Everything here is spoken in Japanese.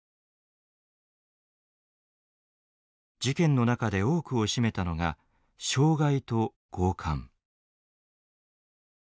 事件の中で多くを占めたのが傷害と強姦。